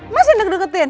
mas yang deg deketin